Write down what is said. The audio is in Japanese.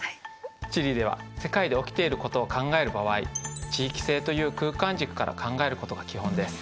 地理では世界で起きていることを考える場合地域性という空間軸から考えることが基本です。